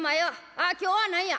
ああ今日は何や？」。